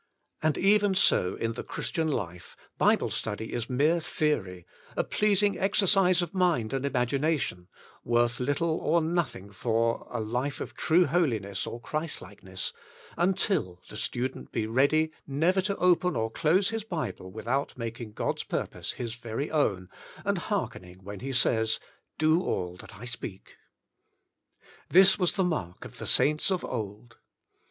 And even so in the Christian life, Bible study is mere theory, a pleasing exercise of mind and imagination, worth little or nothing for a life of true holiness or Christlikeness, until the student be ready never to open or close his Bible without making God's purpose His very own, and hearkening when He says —" Do All that I Speak." This was the mark of the saints of old.